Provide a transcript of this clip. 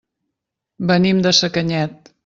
Venim de Sacanyet.